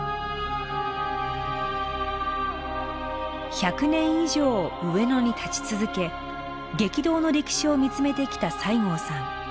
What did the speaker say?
１００年以上上野に立ち続け激動の歴史を見つめてきた西郷さん。